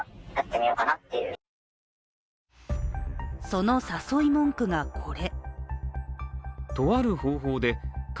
その誘い文句が、これ。